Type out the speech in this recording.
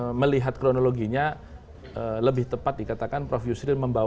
saya melihat kronologinya lebih tepat dikatakan prof yusril membawa